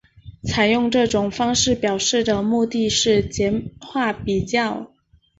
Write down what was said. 采用这种方式表示的目的是简化比较。